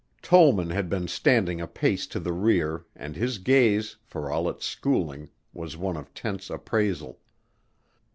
Tollman had been standing a pace to the rear and his gaze, for all its schooling, was one of tense appraisal.